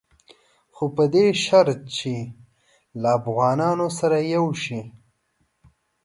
خو په دې شرط چې له افغانانو سره یو شي.